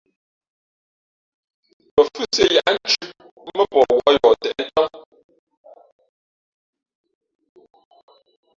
Pαfhʉ́siē yǎʼnthʉ̄ mά pαh wᾱʼ yǒh těʼ tam.